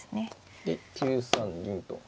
で９三銀と。